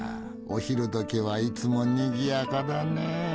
お昼どきはいつもにぎやかだね。